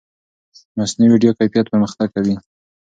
مصنوعي ویډیو کیفیت پرمختګ کوي.